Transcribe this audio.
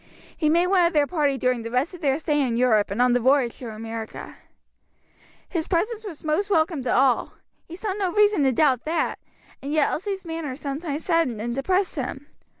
He made one of their party during the rest of their stay in Europe and on the voyage to America. His presence was most welcome to all; he saw no reason to doubt that, and yet Elsie's manner sometimes saddened and depressed him.